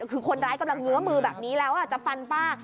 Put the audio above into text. คือคนร้ายกำลังเงื้อมือแบบนี้แล้วจะฟันป้า